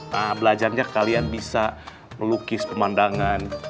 nah belajarnya kalian bisa melukis pemandangan